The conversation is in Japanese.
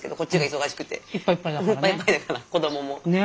いっぱいいっぱいだから子どもも。